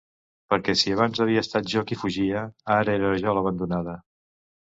Perquè si abans havia estat jo qui fugia, ara era jo l'abandonada.